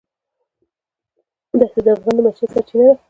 دښتې د افغانانو د معیشت سرچینه ده.